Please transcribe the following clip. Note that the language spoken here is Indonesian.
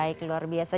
baik luar biasa